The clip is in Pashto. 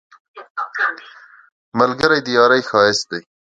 ملګری د یارۍ ښایست دی